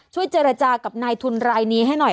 เจรจากับนายทุนรายนี้ให้หน่อย